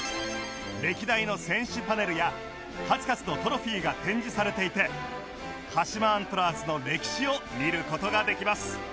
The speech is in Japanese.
歴代の選手パネルや数々のトロフィーが展示されていて鹿島アントラーズの歴史を見る事ができます